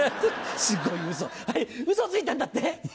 すごいウソはいウソついたんだって？